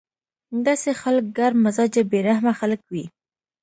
داسې خلک ګرم مزاجه بې رحمه خلک وي